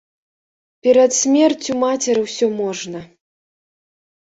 Перад смерцю мацеры ўсё можна.